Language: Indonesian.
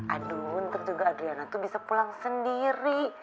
aduh untuk juga adriana tuh bisa pulang sendiri